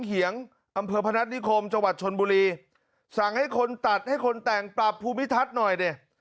เหียงอำเภอพนัฐนิคมจังหวัดชนบุรีสั่งให้คนตัดให้คนแต่งปรับภูมิทัศน์หน่อยดิ